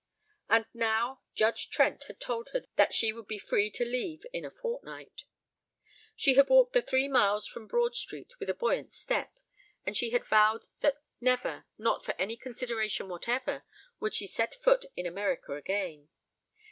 And now, Judge Trent had told her that she would be free to leave in a fortnight. She had walked the three miles from Broad Street with a buoyant step, and she had vowed that never, not for any consideration whatever, would she set foot in America again.